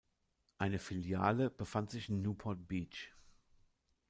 Eine Filiale befand sich in Newport Beach.